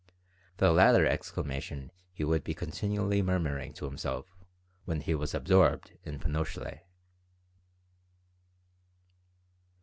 The latter exclamation he would be continually murmuring to himself when he was absorbed in pinochle.